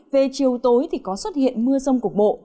về chiều tối thì có xuất hiện mưa rông cục bộ